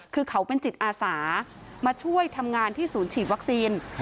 คือเขาเป็นจิตอาสามาช่วยทำงานที่ศูนย์ฉีดวัคซีน